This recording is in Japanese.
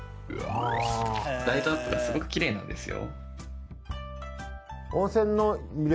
ライトアップがすごくきれいなんですよ。